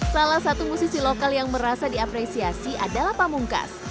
salah satu musisi lokal yang merasa diapresiasi adalah pamungkas